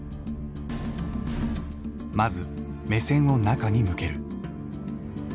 まず目線を中に向ける。